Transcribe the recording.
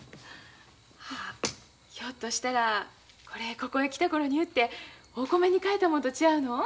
あひょっとしたらこれここへ来た頃に売ってお米に替えたもんと違うの？